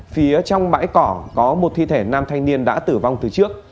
phía trong bãi cỏ có một thi thể nam thanh niên đã tử vong từ trước